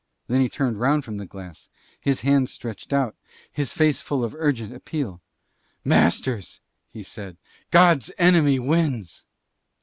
Then he turned round from the glass, his hands stretched out, his face full of urgent appeal. "Masters," he said, "God's enemy wins!"